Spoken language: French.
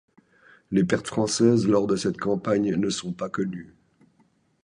Les pertes françaises lors de cette campagne ne sont pas connues.